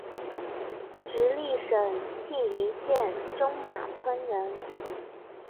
直隶省庆云县中马村人。